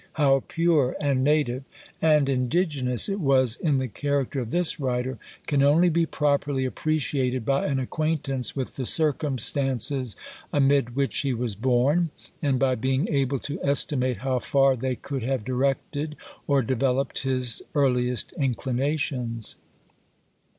How pure, and native, and indigenous it was in the character of this writer, can only be properly appreciated by an acquaintance with the circumstances amid which he was born, and by being able to estimate how far they could have directed or developed his earliest inclinations.